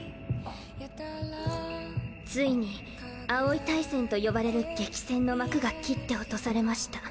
ついに葵大戦と呼ばれる激戦の幕が切って落とされました。